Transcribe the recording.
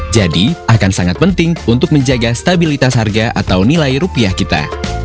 jadi akan sangat penting untuk menjaga stabilitas harga atau nilai rupiah kita